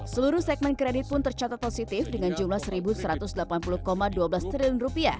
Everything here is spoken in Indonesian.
seluruh segmen kredit pun tercatat positif dengan jumlah rp satu satu ratus delapan puluh dua belas triliun